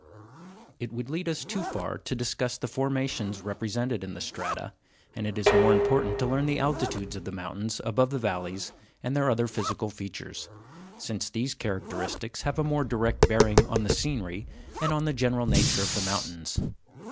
It would lead us too far to discuss the formations represented in the strata, and it is more important to learn the altitudes of the mountains above the valleys, and their other physical features, since these characteristics have a more direct bearing on the scenery and on the general nature of the mountains.